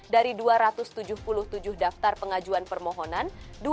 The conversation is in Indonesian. dari dua ratus tujuh puluh tujuh daftar pengajuan permohonan